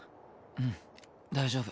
うん大丈夫。